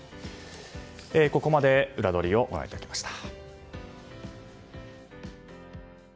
ここまでウラどりをご覧いただきました。